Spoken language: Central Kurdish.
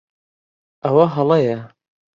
ئەوە ھەڵەیە.